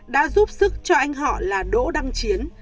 đã giúp sức cho anh họ là đỗ đăng chiến